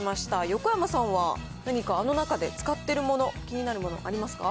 横山さんは、何かあの中で、使ってるもの、気になるもの、ありますか？